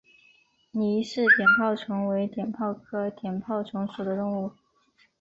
倪氏碘泡虫为碘泡科碘泡虫属的动物。